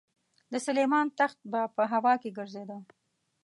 د سلیمان تخت به په هوا کې ګرځېده.